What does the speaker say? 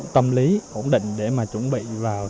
tâm lý ổn định để mà chuẩn bị vào